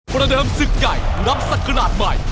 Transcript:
ประเดิมศึกไกรรับสักกระดาษใหม่